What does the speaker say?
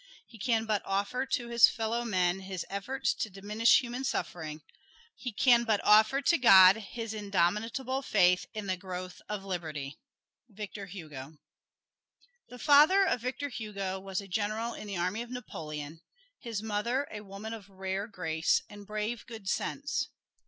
He can but offer to his fellowmen his efforts to diminish human suffering; he can but offer to God his indomitable faith in the growth of liberty. Victor Hugo [Illustration: VICTOR HUGO] The father of Victor Hugo was a general in the army of Napoleon, his mother a woman of rare grace and brave good sense.